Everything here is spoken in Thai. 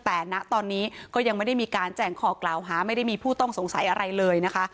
แต่ณตอนนี้ก็ยังไม่ได้มีการแจ้งข้อกล่าวหาไม่ได้มีผู้ต้องสงสัยอะไรเลยนะคะ